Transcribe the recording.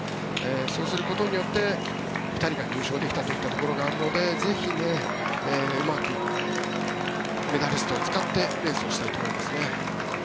そうすることによって２人が入賞できたというところがあるのでぜひうまくメダリストを使ってレースをしたいところですね。